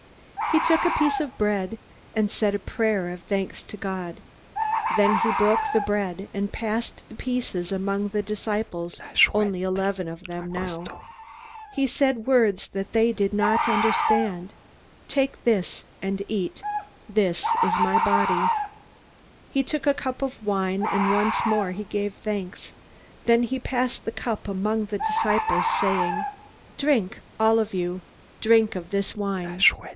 He took up a piece of bread, and said a prayer of thanks to God. Then he broke the bread, and passed the pieces among the disciples only eleven of them now. He said words that they did not understand. "Take and eat this. This is my body." He took a cup of wine, and once more he gave thanks. Then he passed the cup among the disciples, saying: "Drink all of you drink of this wine.